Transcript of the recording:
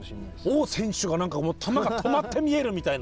王選手が球が止まって見えるみたいな。